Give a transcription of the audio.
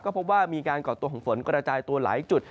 พบว่ามีการก่อตัวของฝนกระจายตัวหลายจุด